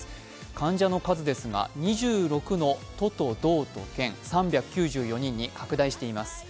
患者の数ですが、２６の都と道と県、３９４人まで拡大しています。